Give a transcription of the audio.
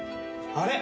あれ？